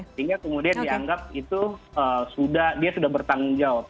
sehingga kemudian dianggap itu sudah dia sudah bertanggung jawab